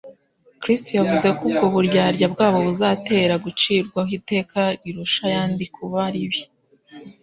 Kristo yavuze ko ubwo buryarya bwabo buzabatera gucirwaho iteka rirusha ayandi kuba ribi.